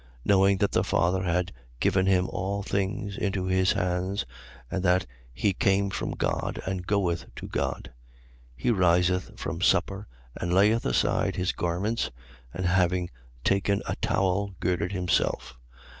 Knowing that the Father had given him all things into his hands and that he came from God and goeth to God, 13:4. He riseth from supper and layeth aside his garments and, having taken a towel, girded himself.